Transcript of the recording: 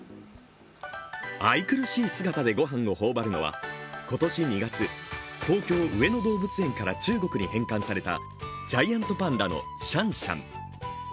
愛くるしい姿でごはんを頬張るのは今年２月、東京・上野動物園から中国へ返還されたジャイアントパンダのシャンシャン。